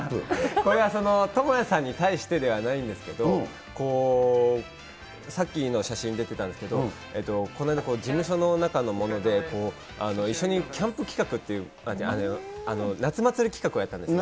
これは倫也さんに対してではないんですけど、さっきの写真に出てたんですけど、この間、事務所の中のもので一緒にキャンプ企画っていう、夏祭り企画をやったんですね。